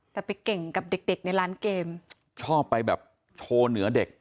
แต่ไปเก่งกับเด็กเด็กในร้านเกมชอบไปแบบโชว์เหนือเด็ก